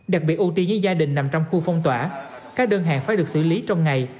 đặc biệt ưu tiên những gia đình nằm trong khu phong tỏa các đơn hàng phải được xử lý trong ngày